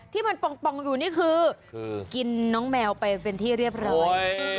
ที่มันปองอยู่นี่คือกินน้องแมวไปเป็นที่เรียบร้อย